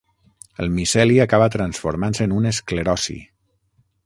El miceli acaba transformant-se en un escleroci.